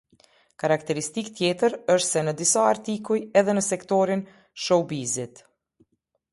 Karakteristikë tjetër është se disa artikuj edhe në sektorin show bizit.